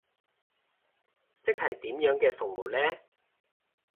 即係點樣嘅服務呢？